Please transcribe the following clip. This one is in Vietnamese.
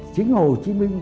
chính hồ chí minh